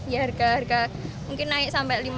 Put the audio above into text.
ya harga harga mungkin naik sampai